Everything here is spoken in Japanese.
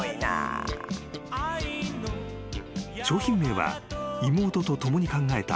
［商品名は妹と共に考えた］